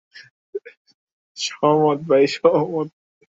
এটা একটা ভীতিকর শূন্যতা।